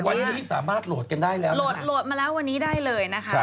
วันนี้สามารถโหลดกันได้แล้วโหลดโหลดมาแล้ววันนี้ได้เลยนะคะ